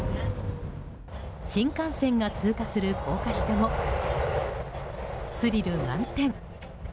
新幹線が通過する高架下もスリル満点！